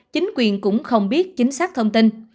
chính quyền cũng không biết chính xác thông tin